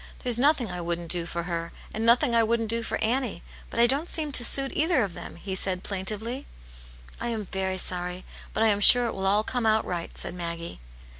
There's nothing I wouldn't do for her, and nothing I wouldn't do for Annie ; but I don't seem to suit either of them," he said, plaintively. " I am very sorry ; but I am sure it will all come out right," said Maggie.